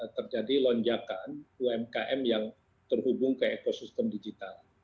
terjadi lonjakan umkm yang terhubung ke ekosistem digital